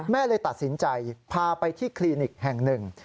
เลยตัดสินใจพาไปที่คลินิกแห่งหนึ่ง